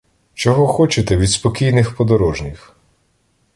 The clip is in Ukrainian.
Чого хочете від спокійних подорожніх?